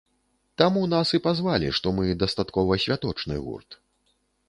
Таму нас і пазвалі, што мы дастаткова святочны гурт.